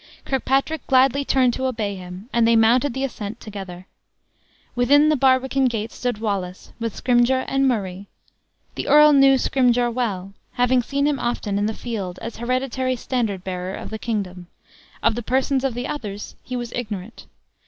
Kirkpatrick gladly turned to obey him; and they mounted the ascent together. Within the barbican gate stood Wallace, with Scrymgeour and Murray. The earl knew Scrymgeour well, having often seen him in the field as hereditary standard bearer of the kingdom; of the persons of the others he was ignorant.